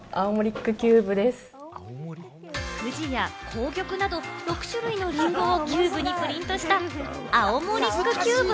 ふじや紅玉など、６種類のリンゴをキューブにプリントしたアオモリックキューブ。